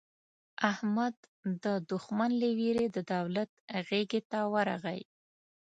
احمد د دوښمن له وېرې د دولت غېږې ته ورغی.